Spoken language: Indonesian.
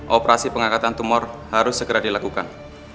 operasi pengangkatan tumor harus segera dilakukan